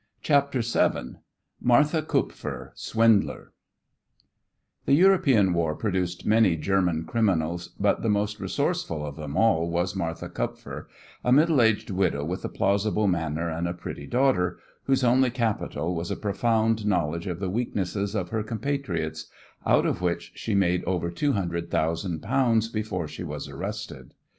CHAPTER VII MARTHA KUPFER, SWINDLER The European War produced many German criminals, but the most resourceful of them all was Martha Kupfer, a middle aged widow with a plausible manner and a pretty daughter, whose only capital was a profound knowledge of the weaknesses of her compatriots, out of which she made over £200,000 before she was arrested.